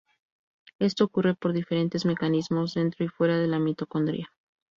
Esto ocurre por diferentes mecanismos dentro y fuera de la mitocondria.